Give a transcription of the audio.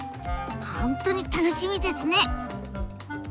本当に楽しみですね！